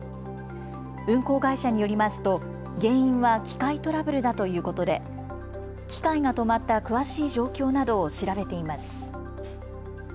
運行会社によりますと原因は機械トラブルだということで機械が止まった詳しい状況などを調べています。